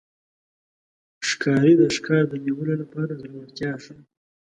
ښکاري د ښکار د نیولو لپاره زړورتیا ښيي.